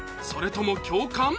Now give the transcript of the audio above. それとも共感？